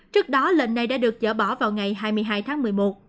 trước đó lệnh này đã được dỡ bỏ vào ngày hai mươi hai tháng một mươi một